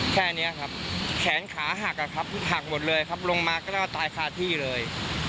แค่นี้ครับแขนขาหักอะครับหักหมดเลยครับลงมาก็ต้องมาตายคาที่เลย